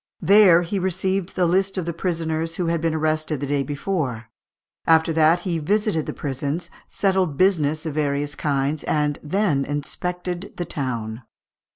There he received the list of the prisoners who had been arrested the day before; after that he visited the prisons, settled business of various kinds, and then inspected the town.